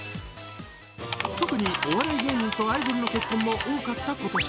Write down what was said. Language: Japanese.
特にお笑い芸人とアイドルの結婚も多かった今年。